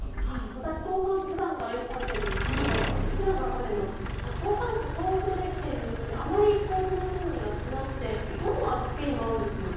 私、トーカンスー普段からよく食べているんですけど豆腐でできているんですけどあまり豆腐の風味がしなくてどんな味付けにも合うんです。